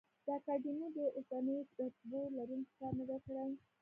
د اکاډمیو د اوسنیو رتبو لروونکي کار نه دی کړی.